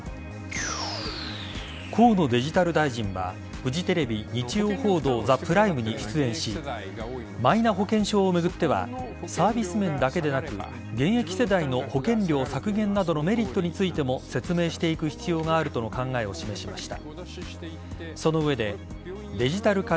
河野デジタル大臣はフジテレビ「日曜報道ＴＨＥＰＲＩＭＥ」に出演しマイナ保険証を巡ってはサービス面だけでなく現役世代の保険料削減などのメリットについても説明していく必要があるとの考えを示しました。